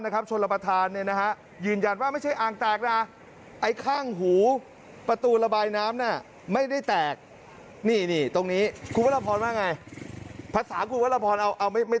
คุณหัวละพอร์แล้วภาษาคุณว่าอย่างไร